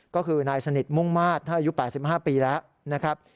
ก็คือนายสนิทม่วงมาตรถ้าอายุแปดสิบห้าปีแล้วนะครับ